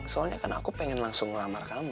soalnya kan aku pengen langsung ngelamar kamu